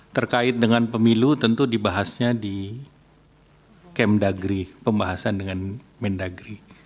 terkait dengan pemilu tentu dibahasnya di kemdagri pembahasan dengan mendagri